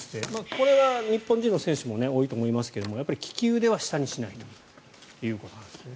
これは日本人の選手も多いと思いますが利き腕は下にしないということなんですね。